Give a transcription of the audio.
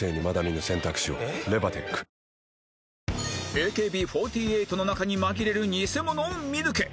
ＡＫＢ４８ の中に紛れるニセモノを見抜け！